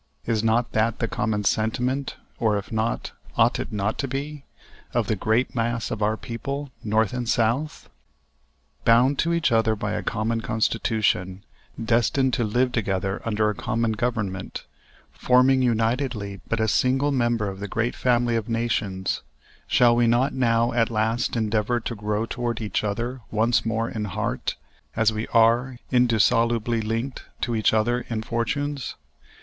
Is not that the common sentiment, or if not, ought it not to be, of the great mass of our people, North and South? Bound to each other by a common constitution, destined to live together under a common government, forming unitedly but a single member of the great family of nations, shall we not now at last endeavor to grow toward each other once more in heart, as we are indissolubly linked to each other in fortunes?